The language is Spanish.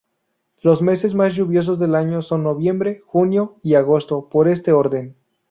Los meses más lluviosos del año son noviembre, junio y agosto, por este orden.